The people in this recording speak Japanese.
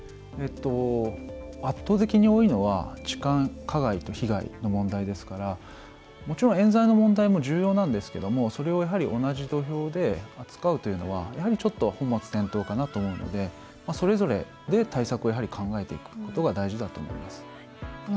圧倒的に多いのは痴漢加害と被害の問題ですからもちろん、えん罪の問題も重要なんですがそれを同じ土俵で扱うというのはちょっと本末転倒かなと思うのでそれぞれで対策を考えていくことが大事だと思います。